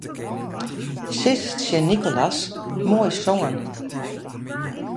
Sis tsjin Nicolas: Moai songen.